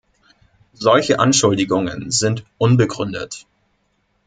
Solche Anschuldigungen sind unbegründet.